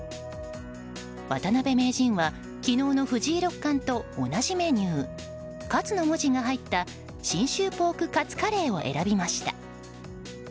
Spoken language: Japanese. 渡辺名人は昨日の藤井六冠と同じメニュー「勝つ」の文字が入った信州ポーク勝カレーを選びました。